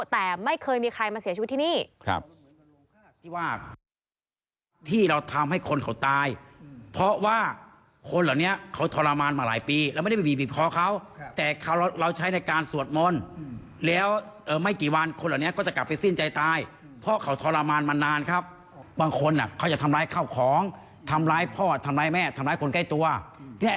แต่ไม่เคยมีใครมาเสียชีวิตที่นี่